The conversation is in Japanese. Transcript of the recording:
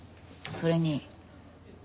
それに？